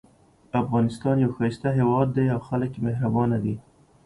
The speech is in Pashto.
افغانستان یو ښایسته هیواد ده او خلک یې مهربانه دي